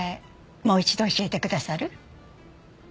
もう一度教えてくださる？